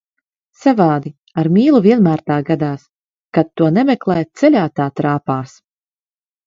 Savādi, ar mīlu vienmēr tā gadās, kad to nemeklē, ceļā tā trāpās.